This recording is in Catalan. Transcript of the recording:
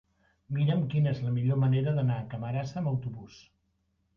Mira'm quina és la millor manera d'anar a Camarasa amb autobús.